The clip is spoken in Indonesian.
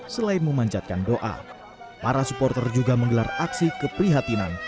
selain memanjatkan doa para supporter juga menggelar aksi keprihatinan